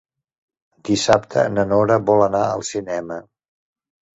Dissabte na Nora vol anar al cinema.